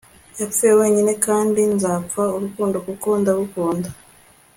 yapfuye, wenyine, kandi nzapfa urukundo kuko ndagukunda